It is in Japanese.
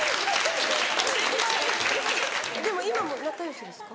でも今も仲良しですか？